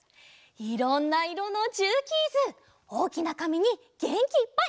いろんないろのジューキーズおおきなかみにげんきいっぱいかいてくれたね。